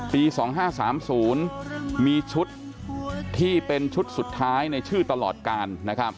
ปี๒๕๓๐มีชุดที่เป็นชุดสุดท้ายในชื่อตลอดกาล